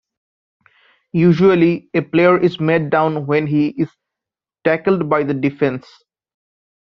Usually a player is made down when he is tackled by the defense.